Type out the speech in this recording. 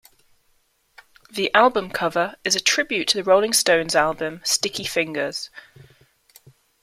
The album cover is a tribute to The Rolling Stones' album "Sticky Fingers".